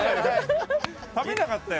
食べなかったよ